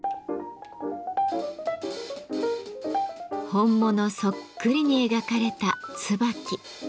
本物そっくりに描かれたツバキ。